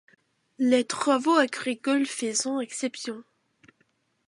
Les travaux agricoles faisant exception.